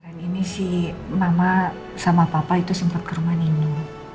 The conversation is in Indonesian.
dan ini si mama sama papa itu sempat ke rumah nino